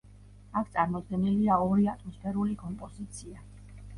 აქ წარმოდგენილია ორი ატმოსფერული კომპოზიცია.